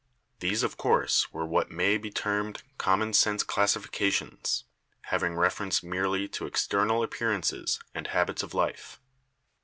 These, of course, 161 i62 BIOLOGY were what may be termed common sense classifications, having reference merely to external appearances and hab its of life.